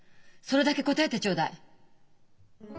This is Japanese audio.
それだけ答えてちょうだい。